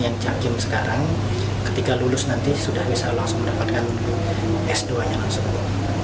yang cak kim sekarang ketika lulus nanti sudah bisa langsung mendapatkan s dua nya langsung